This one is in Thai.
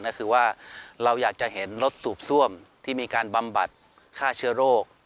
ก็คือว่าเราอยากจะเห็นรถสูบซ่วมที่มีการบำบัดฆ่าเชื้อโรค